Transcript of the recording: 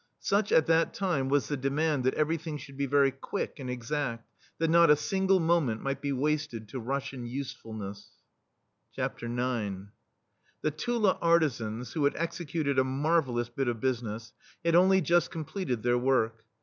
Such, at that time, was the demand that everything should be very quick and exadt, that not a single moment might be wasted to Russian usefulness. IX The Tula artisans, who had executed a marvellous bit of business, had only just completed their work.